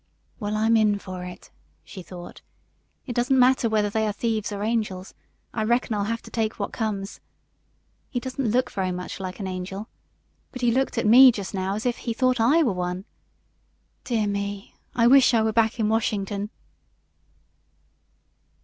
"Well, I'm in for it," she thought. "It doesn't matter whether they are thieves or angels, I reckon I'll have to take what comes. He doesn't look very much like an angel, but he looked at me just now as if he thought I were one. Dear me, I wish I were back in Washin'ton!"